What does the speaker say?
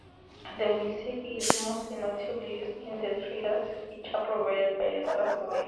The music is most notably used in the "trailers" feature provided by the software.